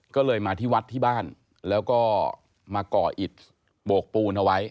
ก็เลยมาที่วัดที่บ้านแล้วก็มาก่ออิดโบกปูนเอาไว้